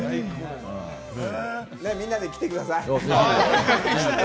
みんなで来てください。